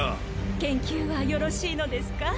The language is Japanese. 研究はよろしいのですか？